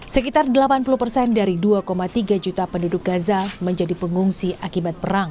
sekitar delapan puluh persen dari dua tiga juta penduduk gaza menjadi pengungsi akibat perang